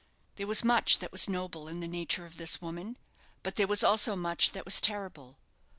There was much that was noble in the nature of this woman; but there was also much that was terrible.